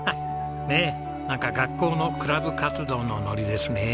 ねえなんか学校のクラブ活動のノリですね。